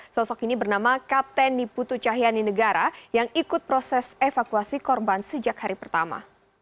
sosok ini bernama kapten niputu cahyani negara yang ikut proses evakuasi korban sejak hari pertama